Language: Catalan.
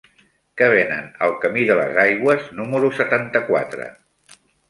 Què venen al camí de les Aigües número setanta-quatre?